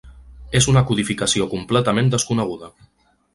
És una codificació completament desconeguda.